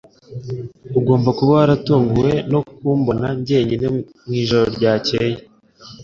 Ugomba kuba waratunguwe no kumbona jyenyine mwijoro ryakeye